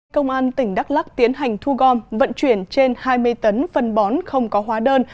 công an tỉnh đắk lắc tiến hành thu gom vận chuyển trên hai mươi tấn phân bón không có hóa đơn